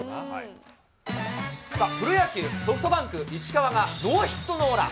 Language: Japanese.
さあ、プロ野球・ソフトバンク、石川がノーヒットノーラン。